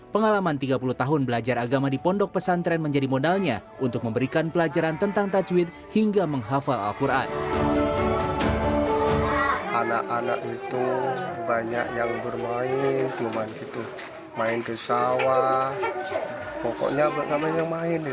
pengalaman tiga puluh tahun belajar agama di pondok pesantren menjadi modalnya untuk memberikan pelajaran tentang tajwid hingga menghafal al quran